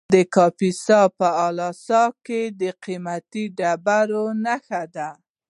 د کاپیسا په اله سای کې د قیمتي ډبرو نښې دي.